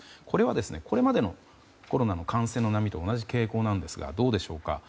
これはこれまでのコロナの感染の波と同じ傾向なんですがどうでしょうか。